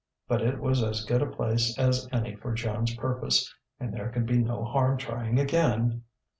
But it was as good a place as any for Joan's purpose, and there could be no harm trying again.